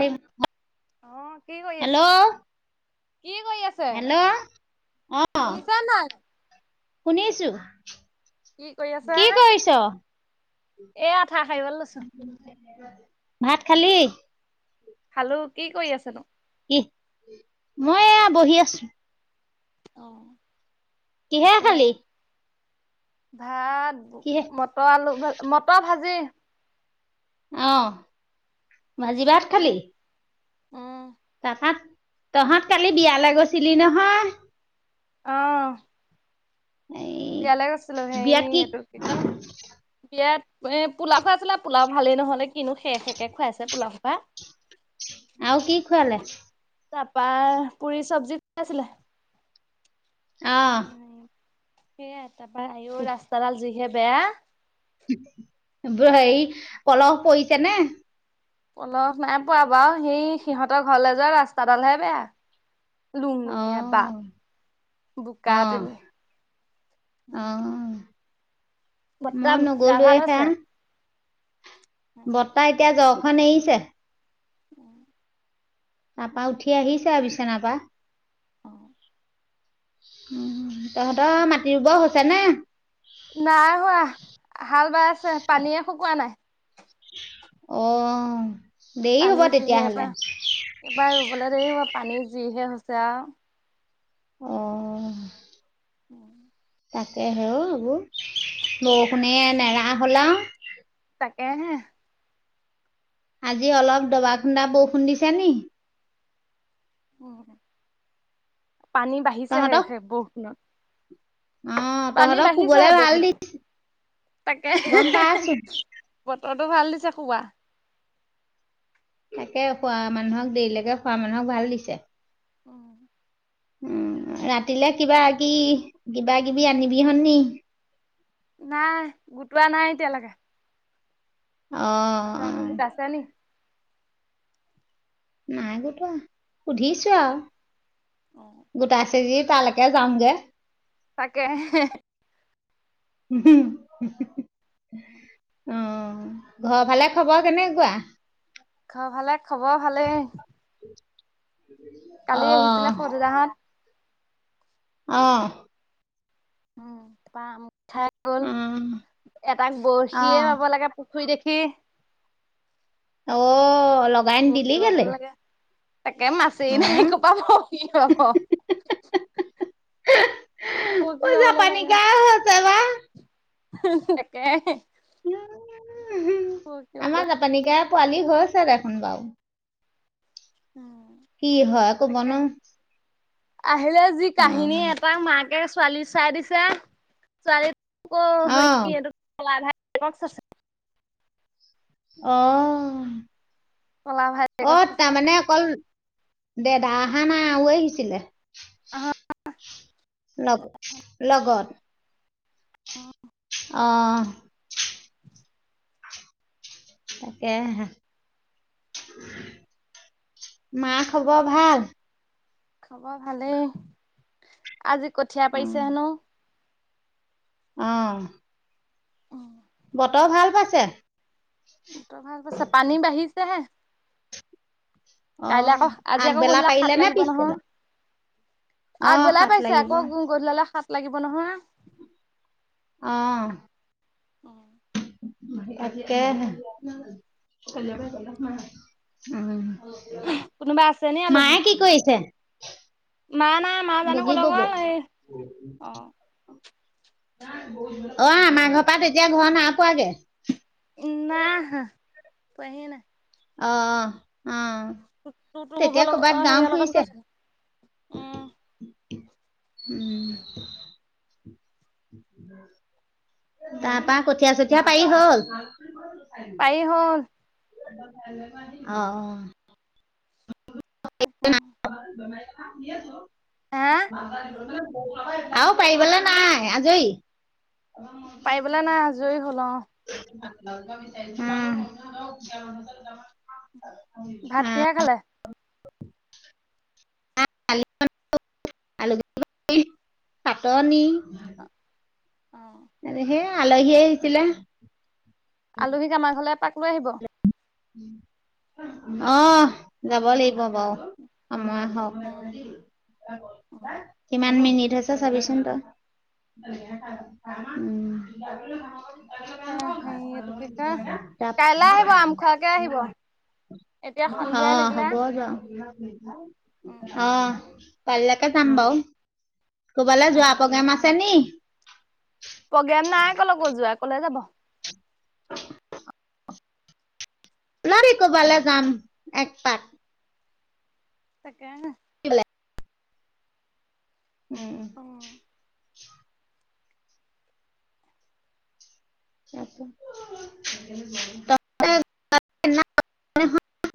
স অহ, কি কৰি আছা। হেল্ল' অহ। শুনিছা নাই? শুনি আছো। কি কি কৰিছ। ইয়াত। চাহ খাবলৈ লৈছো। ভাত খালি। খালো। কি কৰি আছেনো। কি,,, মই এয়া বহি আছো। অহ। কিহেৰে খালি। ভাত,,,,,,? কিহে মটৰ আলু ভাজি। মটৰ ভাজি জে। অহ। উম ভাজি- ভাত সেয়ে খালি। অ তহাত, তহঁত কালি বিয়ালৈ গৈছিলি নহয়। অহ। এই বিয়ালৈ গৈছিলো। হেই এইটো কি ক বিয়াত। এ পোলাও খোৱাইচিলে। পোলাও ভালেই নহলে কিনো শে, শে খুৱাইছে পোলাও খোপা। আউ কি খুৱালে। তাপা পুৰি চব্জি খুৱাইছিলে। অ স ন [unintelligible] সেইয়াই তাৰ পৰা হেৰি আও ৰাস্তাডাল যিহে। বেয়া বোৰ হেয়ি পলস পৰিছে নে? পলস নাই পোৱা বাৰু, হেৰি সিহঁতৰ ঘৰলে যোৱা ৰাস্তাডালহে বেয়া। লুং অ লুঙীয়া বাট, অ বোকা তেনে। অ মই নগ'লোয়ে সেয়া। বৰ্তা এতিয়া য [unintelligible] এৰিছে। তাপা উঠি আহিছে, আৰু বিচনাৰ পা। উম। তহঁতৰ মাটি ৰুব হৈছ চেনে নাই হোৱা, হাল বাই আছে, পানীয়ে শুকোৱা নাই। অ' পানী যিহে এইবাৰ, এইবাৰ ৰুবলে দেৰি হ'ব পানী যিহে হৈছে আউ। অ' উম। তাকে হে এইবোৰ, বৰষুণে নেৰা হ'ল আও। তাকে হে। আজি অলপ দবা খুন্দা বৰষুণ দিছে নি? উ। পানী বাঢ়িছেহে তহঁতক সে বৰষুণেত। অঁ পানী তহঁতক বাঢ়িছে হে শুবলৈ ভাল বৰষুণত দিছে গম তাকে পাইছোঁ বতৰটো ভাল দিছ শুৱা। সে শুৱা মানুহক দেৰিলৈকে শুৱা মানুহক ভাল দিছে। অ'। উম, ৰাতিলে কিবা কি কিবা কিবি আনিবি হন নি? নাই গোটোৱা নাই এতিয়ালৈকে। অঁ আপোনোকে অঁ গোটাইছে নি? নাই গোটোৱা। সুধিছো আৰু, গোটাইছে যদি তালেকে যামগে। তাকে। অ'। ঘৰৰ ফালে খবৰ কেনেকুৱা? ঘৰৰ ভালে খবৰ ভালে। কালি আহিছিলে অ' সোনটোদাহঁত। অ'। উম পাম ঠাই গ'ল অ' এটাক বৰশিয়ে অ' পাব লাগে শুই দেখি অ' লগাইন দিলি কেলে? বৰশিটোৱাবলৈ লাগে তাকে মাছেই উম, নাই ক'ৰপৰা পাবি বাৰু। পইজা পানী কা হৈছে বাা [unintelligible] তাকে। উম। বৰশী আমাৰ জাপানি কৱৈ পোৱালি হৈছে দেখোন বাও বাব উম কি হয় আকৌ বন তাকে আহিলে যি কাহিনী এটা মাকে, ছোৱালী চাই দিছে ছোৱালী, অ' [inaudible] চ অ! কলা অ ভাইকক চাইছে তাৰমানে অকল দে দা অা নাই আৰু আহিছিলে আহ ন লগন অ! অ' তাকে মা হব ভাল! খব ভালেই! আজি কঠীয়া পাৰিছে হেনো আহ! অ! বতৰ ভাল পাইছে। তই ভাল কছা পানী বাঢ়িছেহে। কাইলে অ', আকৌ আজি আকৌ আগবেলা গধূলা খাত পাৰিলে নে লাগিব নহয় পিছবেলা অ', আগবেলাই সাত পাইছে লাগিব আকৌ গধূলালে খাত, লাগিব নহয়। আহ তকেহে, উম। কোনোবা আছে নি আলহী? মায়ে কি কৰিছে? মা নাই মা জানো বগী ক'লৈ ববৌ গ'ল? এই অ'। অ', আমাৰ ঘৰৰ পৰা তেতিয়া ঘৰ নাপোৱাগে। না, আহা, পোৱাহিয়ে নাই। অ', অ'। [unintelligible] তেতিয়া কৰ'বাত অ', গাওঁ হেৰিয়ৰ লগত ফুৰিছে গৈছে, উম। উম। তাপা কঠীয়া চঠীয়া পাৰি হ'ল? পাৰি হ'ল। অ' [unintelligible] [unintelligible] [unintelligible] হা আৰু পাৰিবলৈ নাই আজৰি পাৰিবলে নাই [unintelligible] আজৰি হ'ল অ'। [unintelligible] উম [unintelligible] [unintelligible] ভাত কিহে খালে? [unintelligible] আলু চাটনি। [inaudible] অ' হে আলহী আহিছিলে আলহীক আমাৰ ঘলৈ এপাক লৈ আহিব অহ, যাব লাগিব বাৰু সময় হওক। কিমান মিনিট [unintelligible] চাবিচোন তই। [inaudible] হৰি এইটো কি কয়। কাইলে আহিব আম খোৱা অহ, লাগিলে। হ'ব বাৰু উম। [unintelligible] অহ '। কাইলে কো জাম বাৰু। কবালে যোৱা অ'। প্ৰগ্ৰেম আছে নি? প্ৰগ্ৰেম নাই কলে কু যোৱা। কলৈ যাব। উলাবি কবালে যাম। এক পাক। তাকে হে। কি খালে [unintelligible] উম অ ছা ত [unintelligible]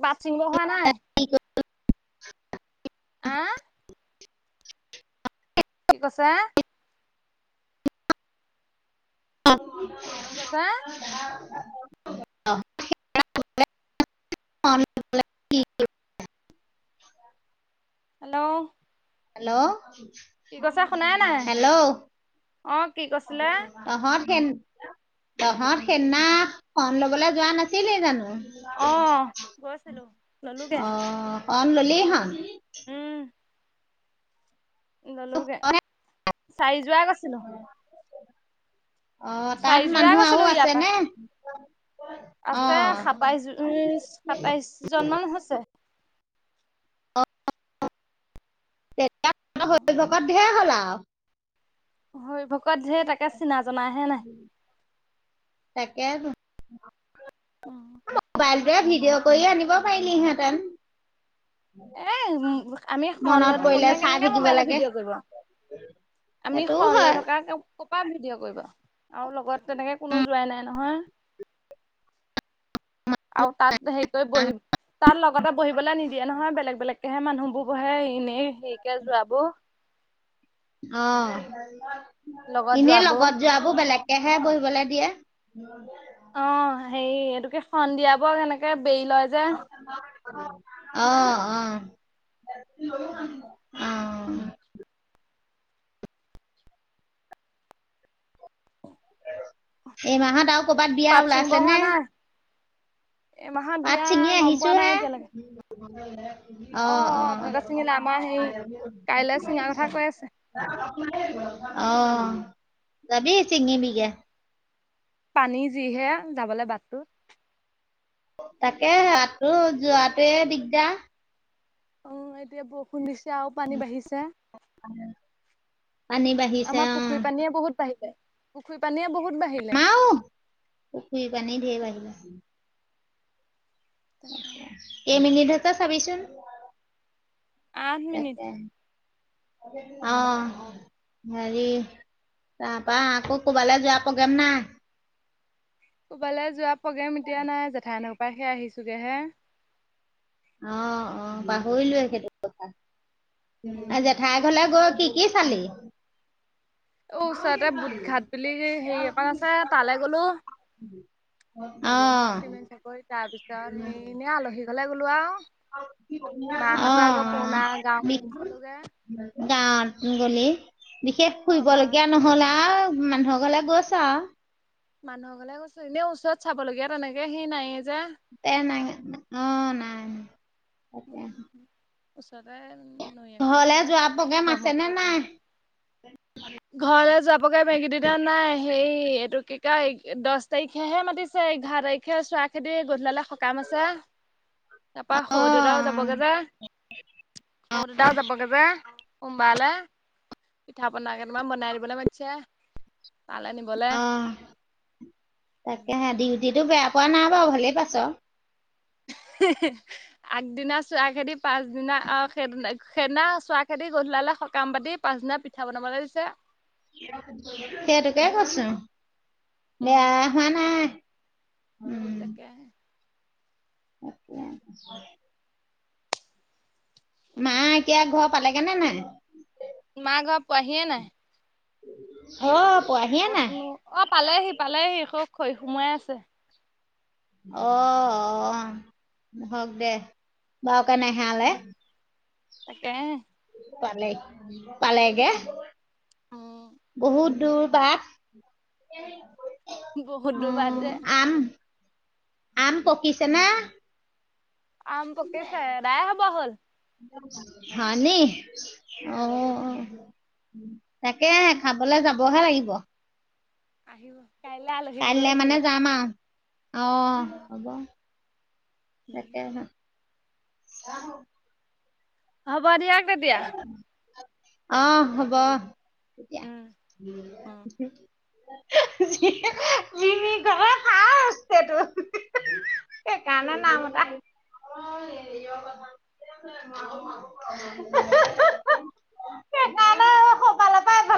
বাত চিংবা হোৱা নাই। আহ কি কৈছা? অ কি কৈছা? অ [unintelligible] হেল্লো'' হেল্লো' নাই হেল্লো' অ কি কৈছিলে তহত, সিন তহঁত সেদিনা শন লবলৈ যোৱা নাছিলেই জানো? অহ গৈছিলো ললোগে। অ শৰণ ল'লিহত। [inaudible] ল'লোগে। চাইজ। যোৱা গৈছিলো। অ', তাত চাৰিযোৰা মানুহ গৈছিলো আৰু ইয়াৰ আছে পৰা নে? অ। আছে সাতাইশ-সাতাইশ জনমান হৈছে। তাত হৰি ভকত ধেই হ'লা আৰু। অহ। হৰি ভক ক'ত ধেই তাকে চিনা-জনা হে নাই। তাকেটো। অ। মোবাইলটোৱে ভিডিঅ' কৰি আনিব পাৰিলি হেতেন। এই আমি শৰণ লৈ পৰিলে থাকোতেনে চাই কেনেকে থাকিব মোবাইলত লাগে ভিডিঅ' কৰিব। আমি সেইটোও শৰণ লৈ হয় থকা ক'পা ভিডিঅ' কৰিব। আৰু লগত তেনেকে কোনো যোৱাই নাই নহয়। আৰু তাত হেৰি কৰি বহি তাত লগতে বহিবলে নিদিয়ে নহয়, বেলেগ-বেলেগকেহে মানুহবোৰ, বহে ইনেই। সেই হেৰিকে যোৱাবোৰ। অহ। লগত এনে যোৱাবোৰ লগত যোৱাবোৰ বেলেগ এহে বহিবলৈ দিয়ে। অ', হেৰি এইটো কি, সন্ধিয়াবৰ সেনেকে বেৰি লয় যে। অ', অ'। অহ। এই মাহত আৰু কৰ'বাত বিয়া পাত ছিঙিব ওলাইছে নে? হোৱা নাই এই মাহত পাত বিয়া ছিঙি গম আহিছো পোৱা নাই হে এতিয়ালৈকে। [unintelligible] অ', অ', আপোনালোকে চিঙিলে, আমাৰ হেৰি কাইলে চিঙাৰ কথা কৈ আছে। অ', যাবি। চিঙিবিগে। পানী যিহে যাবলৈ বাটটো। তাকে ৰাতটো যোৱাটোৱে দিগদাৰ। উম, এতিয়া বৰষুণ দিছে আৰু পানী বাঢ়িছে। পানী বাঢ়িছে আমাৰ অ পুখুৰী পানীয়ে বহুত বাঢ়িলে। পুখুৰী পানীয়ে ব আমাও পুখুৰী পানী ধেৰ বাঢ়িলে। এই মিনিট তই চাবিচোন। আঠ মিনিট তাকেই। অহ। হেৰি তাৰপা আকৌ ক'বালৈ যোৱা প্ৰগ্ৰেম নাই। বালে যোৱা প্ৰগেম এতিয়া নাই জেঠা ন'। [unintelligible] আহিছো গেহে। অ', অ', পাহৰিলোয়ে সেইটো কথা। জেঠাই ঘলে গ'ত। কি কি চালি। অ', ওচৰতে বুট ঘাট বুলি হেৰি অকন আছে তালৈ গ'লো। অ চিমে চাকৰি, তাৰ পিছত সেনে আলহী ঘৰলে গ'লো আৰু। অ', মাহঁতৰ আগৰ অ', পুৰণা বি গাঁওখন চালোগে গাঁত মুংগলী বিশেষ অ শুইব মাহত লগীয়া নহ'ল আৰু। মানুহৰ গলে গৈছা মানুহৰ ঘৰলে গৈছোঁ। এনে ওচৰত চাবলগীয়া তেনেকে সেই নায়ে যে। [unintelligible] অ, নাই। তাকে। উচতে উ নৈ এখন ঘৰলে আছিলে যোৱা প্ৰগ্ৰেম আছে নে ব্ৰহ্মপুত্ৰৰ নাই কনা ঘৰলে য বগে মেগী দুইডা নাই হেই এইটো কি কাই দছ তাৰিখেহে মাতিছে ইঘাৰ তাৰিখে চোৱা খেতি গধূলালে সকাম আছে তাৰ পা স অ দেদাও যাবগে যে। স দেদাও যাবগে যে সোমবালে পিঠা পনা কেইটামান বনাই দিবলৈ মাতিছে। তালৈ নিবলে অ' তাকেহে ডিউটিটো বেয়া পোৱা নাই বাৰু ভালেই পাইছ। আগদিনা চোৱা খেদি পাছদিনা আহ সেইদিনা-সেইদিনা চোৱা খেদি গধূলালে সকাম পাতি পাছদিনা পিঠা বনাবলৈ দিছে। সেইটোকে কছো উম বেয়া হোৱা নাই। উম, তাকে। [unintelligible] মা এতিয়া ঘৰ পালেগে নে নাই? মা ঘৰ পোৱাহিয়ে নাই হ কতনো অ পালেহি পালেহি খব খৰি সোমাই আছে। অ' অহ হওক দে ব কেনেহেলে তাকে পালে, পালেগে উম। বহুত দূৰ বাট বহুত [unintelligible] দূৰ বাট উম, যে আম আম পকিছে নে? আম পকিছে। আদাই হব হল হয় নি? উম, অহ। তাকেহে খাবলে যাবহে লাগিব। আহিব। কাইলৈ আলহীক লৈ কাইলৈ আহিব। মানে যামা আৰু। অ, হ'ব। উম। তাকে হে। [unintelligible] হব দিয়ক তেতিয়া। অ', হব তেতিয়া উম, উম। [unintelligible] সেইকাৰণে সৌফালৰ পৰা